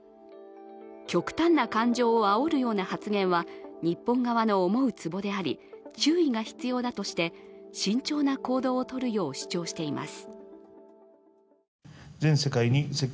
極端な感情をあおるような発言は日本側の思うつぼであり注意が必要だとして慎重な行動をとるよう主張しています。